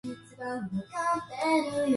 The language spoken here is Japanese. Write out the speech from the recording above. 今日は晴れです